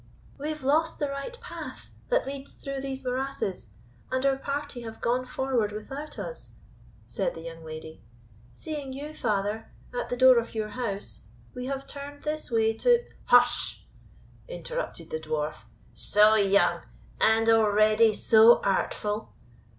"We have lost the right path that leads through these morasses, and our party have gone forward without us," said the young lady. "Seeing you, father, at the door of your house, we have turned this way to " "Hush!" interrupted the Dwarf; "so young, and already so artful?